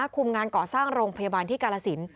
คุมงานก่อสร้างโรงพยาบาลที่กาลสิน